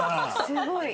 すごい。